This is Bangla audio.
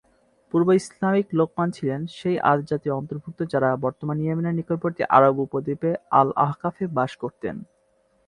পূর্ব-ইসলামিক লোকমান ছিলেন সেই আদ জাতির অন্তর্ভুক্ত যারা বর্তমান ইয়েমেনের নিকটবর্তী আরব উপদ্বীপে আল-আহকাফে বাস করতেন।